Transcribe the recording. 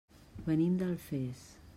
Venim d'Alfés.